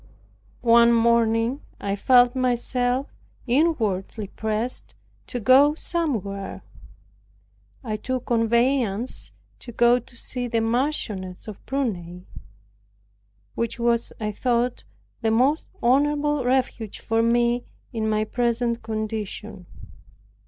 One morning I felt myself inwardly pressed to go somewhere. I took a conveyance to go to see the Marchioness of Prunai, which was, I thought, the most honorable refuge for me in my present condition.